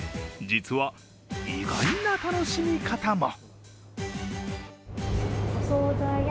実は意外な楽しみ方も。